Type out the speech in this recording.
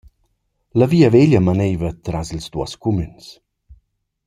La via veglia manaiva tras ils duos cumüns.